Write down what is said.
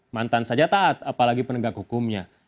mantan saja taat apalagi penegak hukumnya